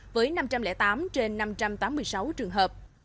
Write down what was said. với năm trăm linh tám trên năm trăm tám mươi sáu trường hợp